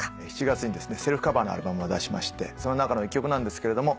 ７月にセルフカバーのアルバムを出しましてその中の１曲なんですけれども。